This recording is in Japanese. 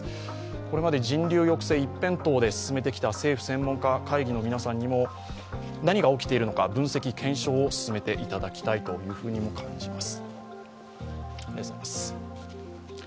これまで人流抑制一辺倒で進めてきた政府専門家会議の皆さんにも何が起きているのか、分析・検証を進めていただきたいと感じます。